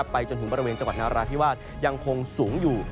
จนถึงบริเวณจังหวัดนาราธิวาสยังคงสูงอยู่